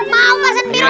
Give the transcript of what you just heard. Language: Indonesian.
mau pesen biru